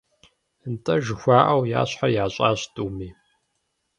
«НтӀэ», жыхуаӀэу, я щхьэр ящӀащ тӀуми.